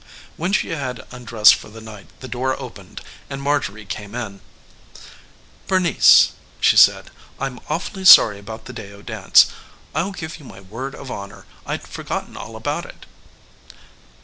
When she had undressed for the night the door opened and Marjorie came in. "Bernice," she said "I'm awfully sorry about the Deyo dance. I'll give you my word of honor I'd forgotten all about it."